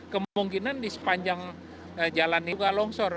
kemungkinan di sepanjang jalan ini juga longsor